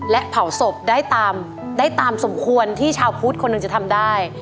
และเผาศพได้ตามสมควรที่ชาวพุทธคนหนึ่งจะทำได้